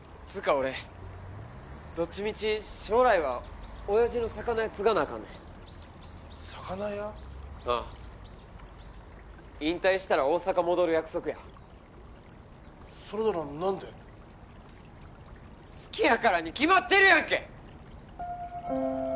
俺どっちみち将来はおやじの魚屋継がなあかんねん魚屋？ああ引退したら大阪戻る約束やそれならなんで好きやからに決まってるやんけ！